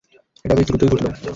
এটা বেশ দ্রুতই ঘটল!